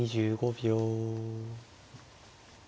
２５秒。